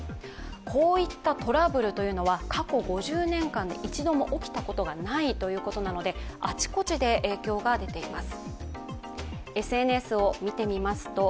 こういったトラブルというのは過去５０年間で一度も起きたことがないということなのであちこちで影響が出ています。